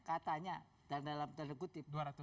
katanya dan dalam tanda kutip